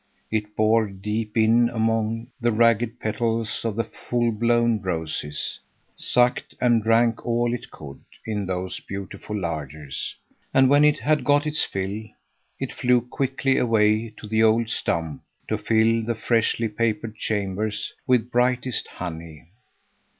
It bored deep in among the ragged petals of the full blown roses, sucked and drank all it could in those beautiful larders, and when it had got its fill, it flew quickly away to the old stump to fill the freshly papered chambers with brightest honey.